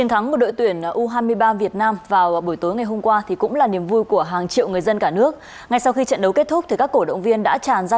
hãy đăng ký kênh để ủng hộ kênh của chúng mình nhé